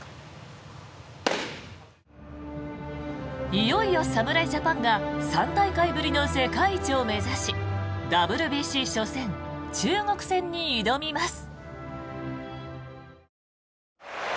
いよいよ侍ジャパンが３大会ぶりの世界一を目指しＷＢＣ初戦、中国戦に挑みます。